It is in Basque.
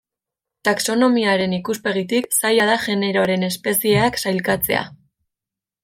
Taxonomiaren ikuspegitik zaila da generoan espezieak sailkatzea.